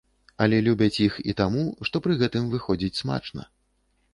Але любяць іх і таму, што пры гэтым выходзіць смачна.